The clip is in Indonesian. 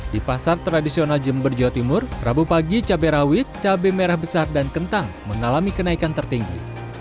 di pasar tradisional jember jawa timur rabu pagi cabai rawit cabai merah besar dan kentang mengalami kenaikan tertinggi